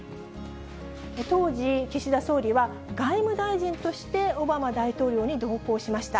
当時、岸田総理は外務大臣としてオバマ大統領に同行しました。